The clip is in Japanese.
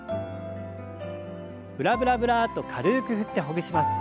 ブラブラブラッと軽く振ってほぐします。